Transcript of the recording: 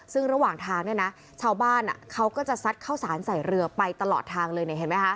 ซึ่งระหว่างทางชาวบ้านเขาก็จะซัดเข้าสารใส่เรือไปตลอดทางเลย